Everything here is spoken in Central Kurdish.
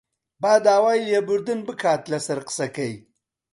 با داوای لێبوردن بکات لەسەر قسەکەی